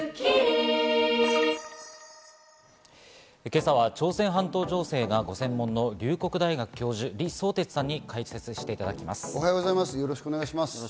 今朝は朝鮮半島情勢がご専門の龍谷大学教授、リ・ソウテツさんに解説していただきます。